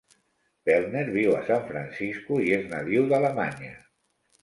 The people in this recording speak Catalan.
Peltner viu a San Francisco i és nadiu d'Alemanya.